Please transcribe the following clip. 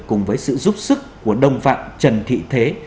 cùng với sự giúp sức của đồng phạm trần thị thế